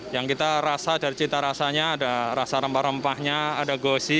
yang kita rasa dari cita rasanya ada rasa rempah rempahnya ada gosi